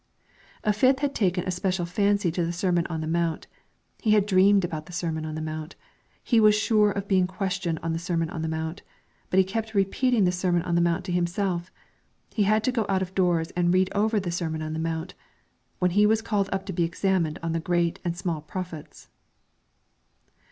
A fifth had taken a special fancy to the Sermon on the Mount; he had dreamed about the Sermon on the Mount; he was sure of being questioned on the Sermon on the Mount; he kept repeating the Sermon on the Mount to himself; he had to go out doors and read over the Sermon on the Mount when he was called up to be examined on the great and the small prophets.